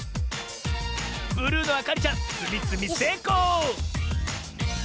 ブルーのあかりちゃんつみつみせいこう！